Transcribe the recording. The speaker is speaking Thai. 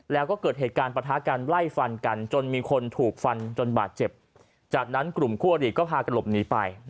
แล้วก็เกิดเหตุการณ์ประทะกันไล่ฟันกันจนมีคนถูกฟันจนบาดเจ็บจากนั้นกลุ่มคู่อดีตก็พากันหลบหนีไป